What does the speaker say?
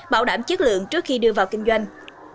bảo đảm chất lượng trước khi đưa vào kinh doanh